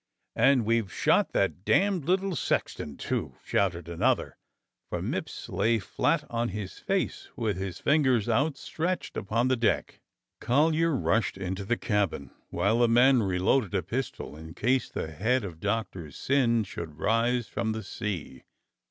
And we've shot that damned little sexton, too!" shouted another, for Mipps lay flat on his face, with his fingers outstretched upon the deck. Collyer rushed into the cabin, while the men reloaded a pistol in case the head of Doctor Syn should rise from the sea.